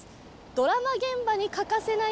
「ドラマ現場に欠かせない」